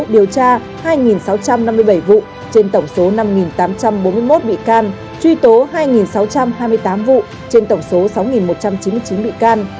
điều tra hai sáu trăm năm mươi bảy vụ trên tổng số năm tám trăm bốn mươi một bị can truy tố hai sáu trăm hai mươi tám vụ trên tổng số sáu một trăm chín mươi chín bị can